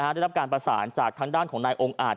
ได้รับการประสานจากทางด้านของนายองค์อาจ